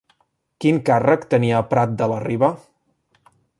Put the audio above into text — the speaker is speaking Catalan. Quin càrrec tenia Prat de la Riba?